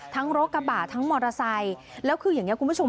รถกระบะทั้งมอเตอร์ไซค์แล้วคืออย่างนี้คุณผู้ชม